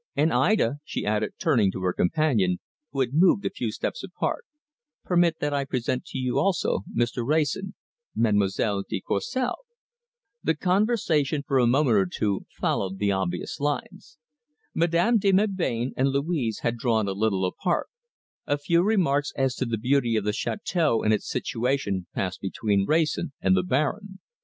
And Ida," she added, turning to her companion, who had moved a few steps apart, "permit that I present to you, also, Mr. Wrayson Mademoiselle de Courcelles." The conversation for a moment or two followed the obvious lines. Madame de Melbain and Louise had drawn a little apart; a few remarks as to the beauty of the chateâu and its situation passed between Wrayson and the Baron.